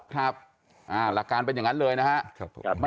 ครับหลักการเป็นอย่างงั้นเลยนะฮะ